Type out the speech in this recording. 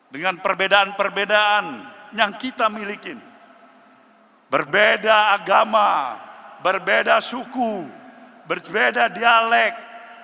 dengan perbedaan perbedaan yang kita miliki berbeda agama berbeda suku berbeda dialek